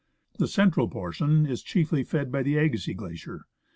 The central portion is chiefly fed by the Agassiz Glacier.